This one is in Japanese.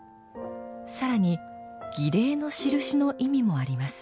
さらに、儀礼のしるしの意味もあります。